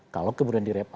kalau kemudian direlevan